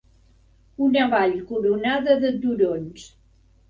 Una vall coronada de turons.